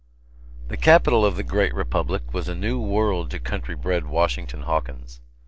The capital of the Great Republic was a new world to country bred Washington Hawkins.